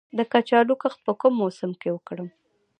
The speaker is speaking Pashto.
د کچالو کښت په کوم موسم کې وکړم؟